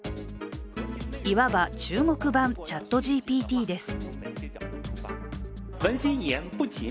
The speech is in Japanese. いわば中国版ＣｈａｔＧＰＴです。